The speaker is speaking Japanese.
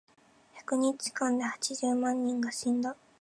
百日間で八十万人が死んだ。